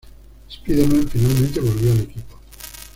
Spider-Man finalmente volvió al equipo.